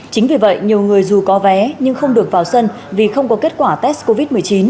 chính vì vậy nhiều người dù có vé nhưng không được vào sân vì không có kết quả test covid một mươi chín